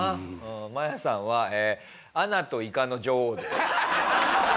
マヤさんはアナといかの女王です。